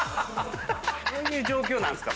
どういう状況なんすか？